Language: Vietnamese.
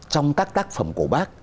trong các tác phẩm của bác